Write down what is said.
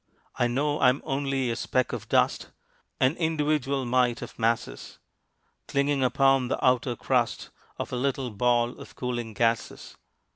I know I am only a speck of dust, An individual mite of masses, Clinging upon the outer crust Of a little ball of cooling gases.